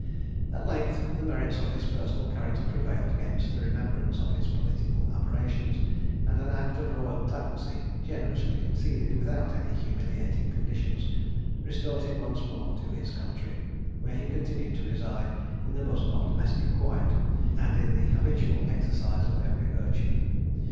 At length, the merits of his personal character prevailed against the remembrance of his political aberrations; and an act of royal clemency, generously conceded without any humiliating conditions, restored him once more to his country; where he continued to reside, in the bosom of domestic quiet, and in the habitual exercise of every virtue.